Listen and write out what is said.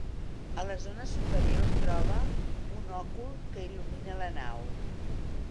A la zona superior trobe, un òcul que il·lumina la nau.